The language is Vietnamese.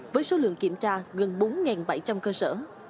với số lượng kiểm tra gần bốn bảy trăm linh cơ sở